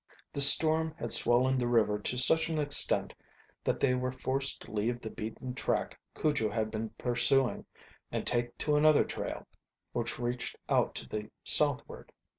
The storm had swollen the river to such an extent that they were forced to leave the beaten track Cujo had been pursuing and take to another trail which reached out to the southward.